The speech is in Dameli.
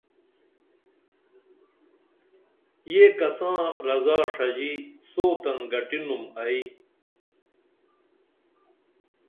یہ کساں رضا ݜژی سوتن گٹینُم ائی